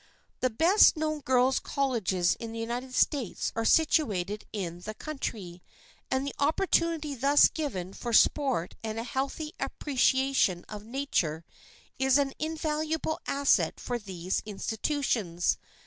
[Sidenote: WELL KNOWN COLLEGES] The best known girls' colleges in the United States are situated in the country, and the opportunity thus given for sport and for a healthy appreciation of nature is an invaluable asset for those institutions.